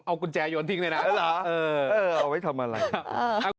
เอากุญแจโยนทิ้งได้น่ะเออหรอเออเออเอาไว้ทำอะไรเออ